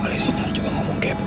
boleh seneng juga ngomong kayak